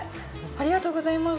ありがとうございます。